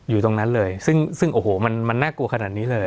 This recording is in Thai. อยู่ตรงนั้นเลยซึ่งโอ้โหมันน่ากลัวขนาดนี้เลย